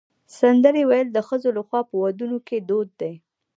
سندرې ویل د ښځو لخوا په ودونو کې دود دی.